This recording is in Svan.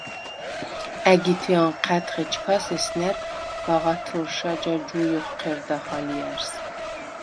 ა̈გითე ანჴა̈დხ, ეჩქას ესნა̈რ ბაღათჷრშა ჯაჯუ̄ჲ ოხჴერდახ ალჲა̈რს.